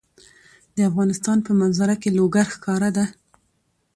د افغانستان په منظره کې لوگر ښکاره ده.